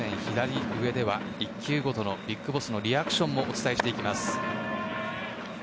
左上では１球ごとのＢＩＧＢＯＳＳのリアクションもお伝えしていきます。